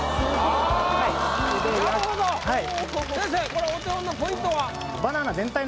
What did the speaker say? これお手本のポイントは？